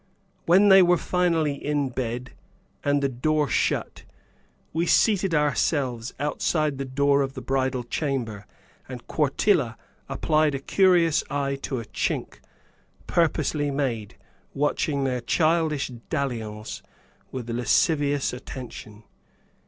When they were finally in bed, and the door shut, we seated ourselves outside the door of the bridal chamber, and Quartilla applied a curious eye to a chink, purposely made, watching their childish dalliance with lascivious attention.